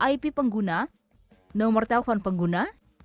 ip pengguna nomor telepon pengguna